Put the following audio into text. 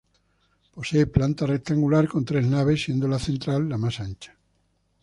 Posee planta rectangular con tres naves siendo la central la más ancha.